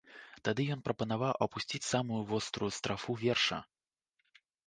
Тады ён прапанаваў апусціць самую вострую страфу верша.